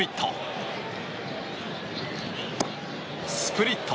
スプリット。